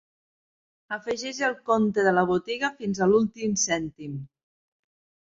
Afegeix el compte de la botiga fins a l'últim cèntim.